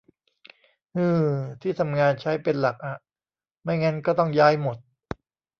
ฮือ ที่ทำงานใช้ เป็นหลักอะ ไม่งั้นก็ต้องย้ายหมด